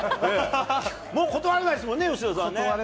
もう断らないですもんね、吉田さんね。